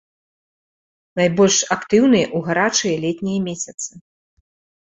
Найбольш актыўныя ў гарачыя летнія месяцы.